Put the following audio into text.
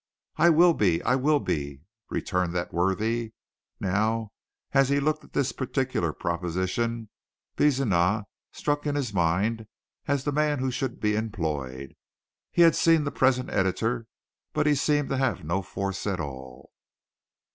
"I will be, I will be," returned that worthy. Now as he looked at this particular proposition Bezenah stuck in his mind as the man who should be employed. He had seen the present editor, but he seemed to have no force at all.